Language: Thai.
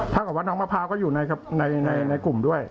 กับว่าน้องมะพร้าวก็อยู่ในกลุ่มด้วย